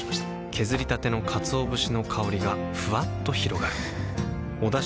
削りたてのかつお節の香りがふわっと広がるはぁ。